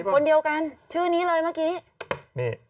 คนเดียวกันชื่อนี้เลยเมื่อกี้